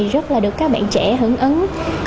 rất là được các bạn trẻ hứng ứng